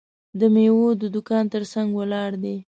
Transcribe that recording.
د میوې د دوکان ترڅنګ ولاړ دی.